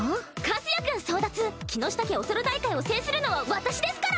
和也君争奪木ノ下家「オセロ」大会を制するのは私ですから！